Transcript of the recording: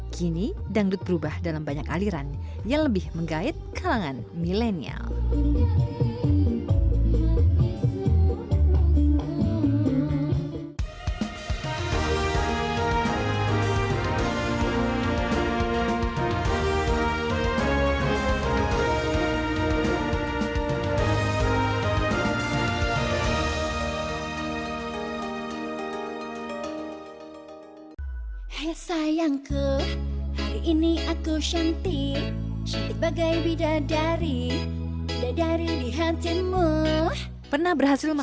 kini dangdut berubah dalam banyak aliran yang lebih menggait kalangan milenial